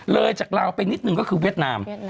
เลยจากลาวไปนิดหนึ่งก็คือเวียดนาม